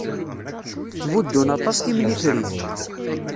Ttbuddun aṭas timennifrit.